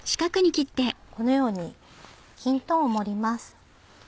このようにきんとんを盛ります。